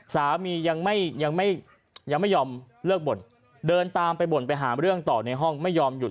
สามียังไม่ยังไม่ยังไม่ยอมเลิกบ่นเดินตามไปบ่นไปหาเรื่องต่อในห้องไม่ยอมหยุด